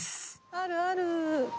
あるある！